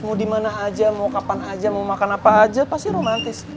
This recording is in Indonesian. mau dimana aja mau kapan aja mau makan apa aja pasti romantis